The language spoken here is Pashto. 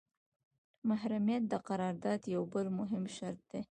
محرمیت د قرارداد یو بل مهم شرط دی.